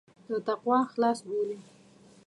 له تقوا خلاص بولي.